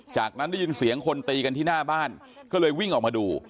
จากนั้นได้ยินเสียงคนตีกันที่หน้าบ้านก็เลยวิ่งออกมาดู